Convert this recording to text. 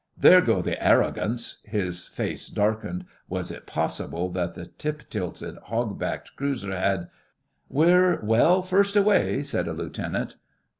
'There go the Arrogants.' His face darkened. Was it possible that that tip tilted, hog backed cruiser had—— 'We're well first away,' said a Lieutenant.